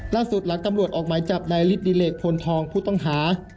ล่าสุดหลักตำรวจออกหมายจับไดริสต์ดิเลกพลทองผู้ต้องหา